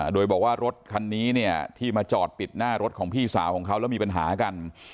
โดยบอกว่ารถคันนี้เนี่ยที่มาจอดปิดหน้ารถของพี่สาวของเขาแล้วมีปัญหากัน